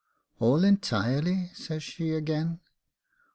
'All entirely?' says she again.